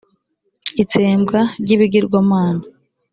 Itsembwa ry’ibigirwamana